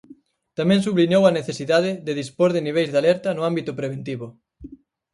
Tamén subliñou a necesidade de dispor de niveis de alerta no ámbito preventivo.